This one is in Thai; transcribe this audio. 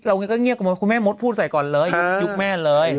เราก็เงียบกว่าหมดคุณแม่มดพูดใส่ก่อนเลยยุบยุคแม่เลย